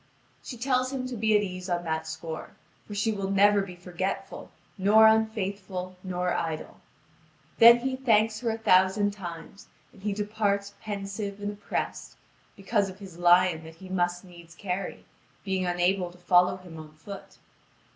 She tells him to be at ease on that score; for she will never be forgetful, nor unfaithful, nor idle. Then he thanks her a thousand times, and he departs pensive and oppressed, because of his lion that he must needs carry, being unable to follow him on foot.